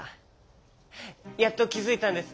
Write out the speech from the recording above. やっときづいたんです。